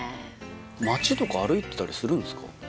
街とか歩いてたりするんですか？